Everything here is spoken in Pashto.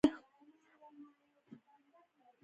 علت یې د ولس په قومانده کې اربکي جنګیالي دي.